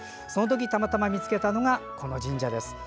そのときたまたま見つけたのがこの神社です。